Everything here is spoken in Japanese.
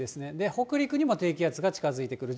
北陸にも低気圧が近づいてくる。